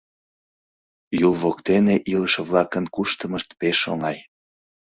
Юл воктене илыше-влакын куштымышт пеш оҥай.